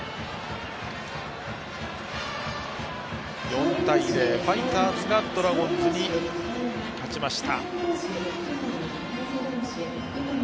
４対０、ファイターズがドラゴンズに勝ちました。